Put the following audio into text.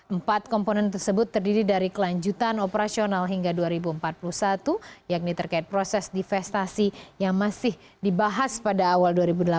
empat komponen tersebut terdiri dari kelanjutan operasional hingga dua ribu empat puluh satu yakni terkait proses divestasi yang masih dibahas pada awal dua ribu delapan belas